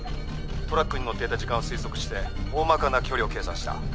トラックに乗っていた時間を推測して大まかな距離を計算した。